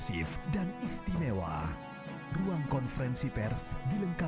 kau tak ada sepijik rindu